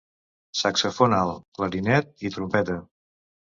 Saxofon alt, clarinet i trompeta.